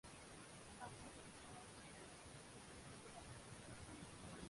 বাংলাদেশ ছাড়া মাত্র নয়টি দেশে এর দেখা মেলে।